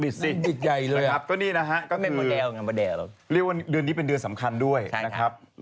ติดใหญ่เลยครับก็นี่นะฮะก็เป็นเรียกว่าเดือนนี้เป็นเดือนสำคัญด้วยนะครับ